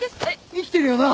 生きてるよな！？